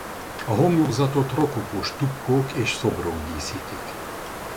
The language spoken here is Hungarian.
A homlokzatot rokokó stukkók és szobrok díszítik.